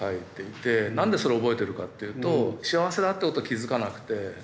なんでそれを覚えてるかというと幸せだということ気付かなくて。